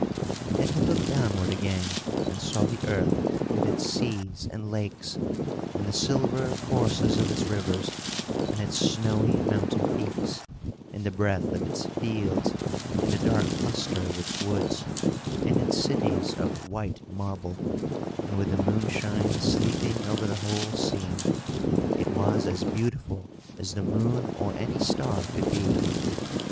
Then he looked downward again, and saw the earth, with its seas and lakes, and the silver courses of its rivers, and its snowy mountain peaks, and the breadth of its fields, and the dark cluster of its woods, and its cities of white marble; and, with the moonshine sleeping over the whole scene, it was as beautiful as the moon or any star could be.